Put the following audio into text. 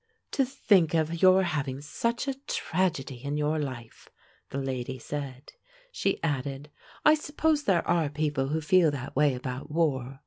"To think of your having such a tragedy in your life!" the lady said. She added: "I suppose there are people who feel that way about war.